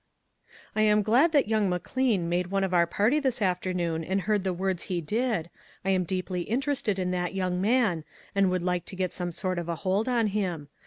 " I am glad that young McLean made one of our party this afternoon and heard the words he did. I am deeply interested in that young man, and would like to get some sort of a hold on him.